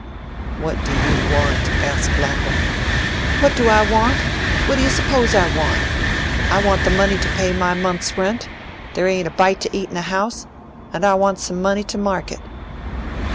"What do you want?" asked Lapham. "What do I want? What do you s'pose I want? I want the money to pay my month's rent; there ain't a bite to eat in the house; and I want some money to market."